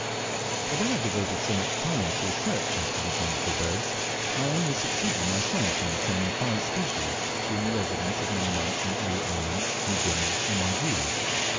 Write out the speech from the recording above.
Although I devoted so much time to a search after these wonderful birds, I only succeeded myself in obtaining five species during a residence of many months in the Aru Islands, New Guinea, and Waigiou.